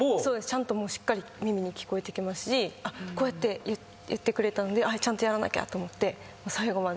ちゃんとしっかり耳に聞こえてきますしこうやって言ってくれたんでちゃんとやらなきゃと思って最後まで。